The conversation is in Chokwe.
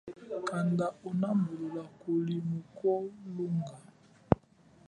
Kanda umwambulula kuli muko lunga.